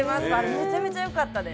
めちゃめちゃよかったです。